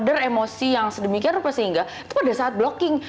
ada emosi yang sedemikian rupa sehingga itu pada saat blocking